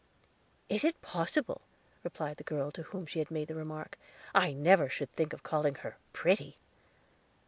"Is it possible!" replied the girl to whom she had made the remark. "I never should think of calling her pretty."